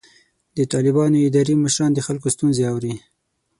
د طالبانو اداري مشران د خلکو ستونزې اوري.